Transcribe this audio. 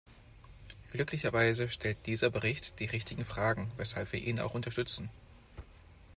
Glücklicherweise stellt dieser Bericht die richtigen Fragen, weshalb wir ihn auch unterstützen.